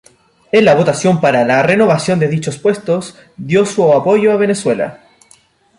En la votación para la renovación de dichos puestos dio su apoyo a Venezuela.